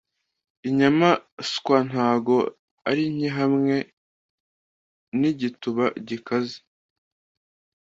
Inyamaswantago ari nke hamwe nigituba gikaze